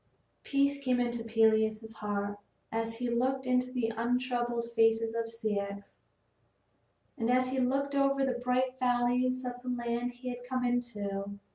Peace came into Peleus's heart as he looked into the untroubled face of Ceyx, and as he looked over the bright valleys of the land he had come into.